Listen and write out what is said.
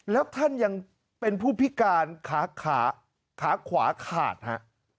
แล้วท่านยังเป็นผู้พิการขาขาขวาขาดฮะ